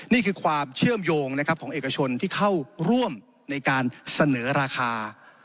นี่คือความเชื่อมโยงนะครับของเอกชนที่เข้าร่วมในการเสนอราคา